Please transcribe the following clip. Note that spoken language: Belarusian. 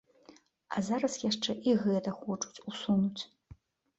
А зараз яшчэ і гэта хочуць усунуць.